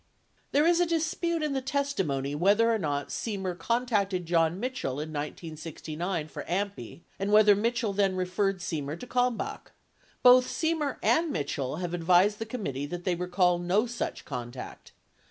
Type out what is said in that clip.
There is a dispute in the testimony whether or not Semer contacted John Mitchell in 1969 for AMPI and whether Mitchell then referred Semer to Kalmbach. Both Semer 30 and Mitchell 31 have advised the committee that they recall no such contact.